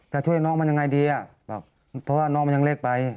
ช่วยน้องมันยังไงดีอ่ะแบบเพราะว่าน้องมันยังเล็กไป